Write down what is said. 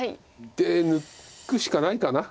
手抜くしかないかな。